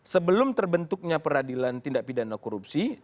sebelum terbentuknya peradilan tindak pidana korupsi